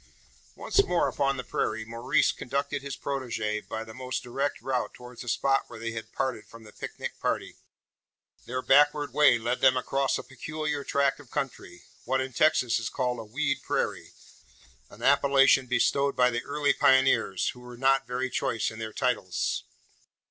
Once more upon the prairie, Maurice conducted his protegee by the most direct route towards the spot where they had parted from the picnic party. Their backward way led them across a peculiar tract of country what in Texas is called a "weed prairie," an appellation bestowed by the early pioneers, who were not very choice in their titles.